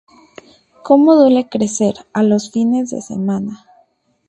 Como duele crecer" a los fines de semana.